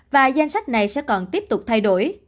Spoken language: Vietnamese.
và danh sách này sẽ còn tiếp tục thay đổi